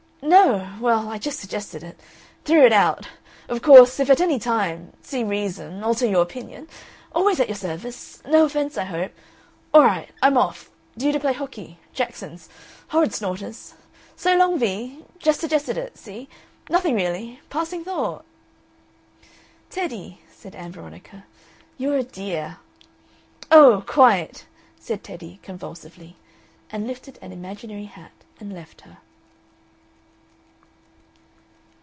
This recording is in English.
"No! Well, I just suggested it. Threw it out. Of course, if at any time see reason alter your opinion. Always at your service. No offence, I hope. All right! I'm off. Due to play hockey. Jackson's. Horrid snorters! So long, Vee! Just suggested it. See? Nothing really. Passing thought." "Teddy," said Ann Veronica, "you're a dear!" "Oh, quite!" said Teddy, convulsively, and lifted an imaginary hat and left her.